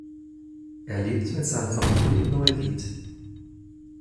Er lebt mit seiner Familie in Neuried.